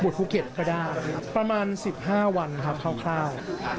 ก็รู้สึกว่าบวชฟูเก็ตก็ได้ประมาณ๑๕วันครับคราว